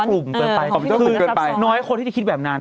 กลุ่มเกินไปน้อยคนที่จะคิดแบบนั้น